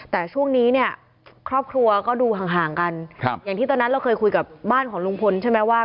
แต่ช่วงนี้เนี่ยครอบครัวก็ดูห่างกันอย่างที่ตอนนั้นเราเคยคุยกับบ้านของลุงพลใช่ไหมว่า